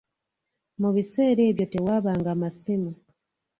Mu bissera ebyo tewabanga masimu.